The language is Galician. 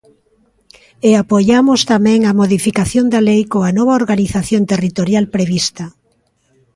E apoiamos tamén a modificación da lei coa nova organización territorial prevista.